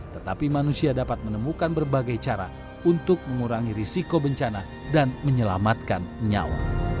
tetapi manusia dapat menemukan berbagai cara untuk mengurangi risiko bencana dan menyelamatkan nyawa